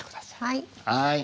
はい。